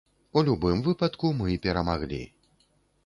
У любым выпадку мы перамаглі!